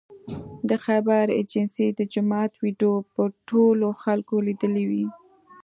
د خیبر ایجنسۍ د جومات ویدیو به ټولو خلکو لیدلې وي